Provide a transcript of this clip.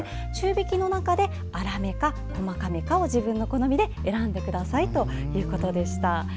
中びきの中で、粗めか細かめかを自分の好みで選んでくださいということでした。